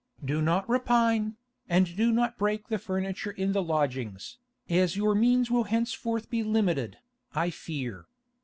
Do not repine, and do not break the furniture in the lodgings, as your means will henceforth be limited, I fear.